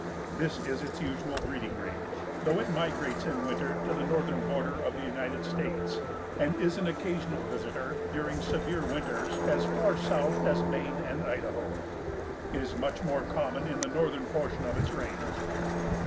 This is its usual breeding range, though it migrates in winter to the northern border of the United States, and is an occasional visitor, during severe winters, as far south as Maine and Idaho. It is much more common in the northern portion of its range.